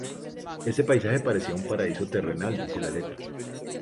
Ese paisaje parece un paraíso terrenal, dice la letra.